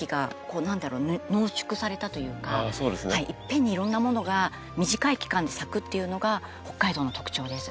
濃縮されたというかいっぺんにいろんなものが短い期間で咲くっていうのが北海道の特徴です。